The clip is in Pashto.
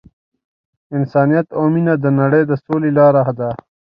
انسانیت او مینه د نړۍ د سولې لاره ده.